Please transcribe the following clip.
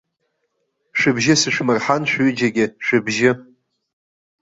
Шәыбжьы сышәмырҳан шәҩыџьагьы, шәыбжьы!